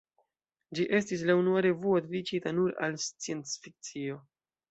Ĝi estis la unua revuo dediĉita nur al sciencfikcio.